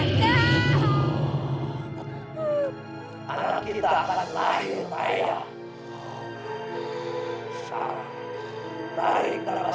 anak kita akan lahir ayah